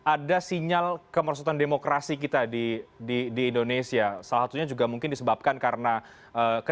ada sinyal kemersutan demokrasi kita di indonesia salah satunya juga mungkin disebabkan karena